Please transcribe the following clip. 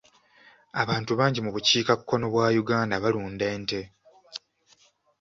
Abantu bangi mu bukiikakkono bwa Uganda balunda ente.